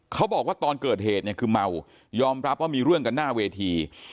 เขาบอกว่าตอนเกิดเหตุเนี่ยคือเมายอมรับว่ามีเรื่องกันหน้าเวที